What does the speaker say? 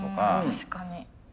確かに。